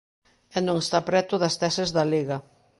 E non está preto das teses da Liga.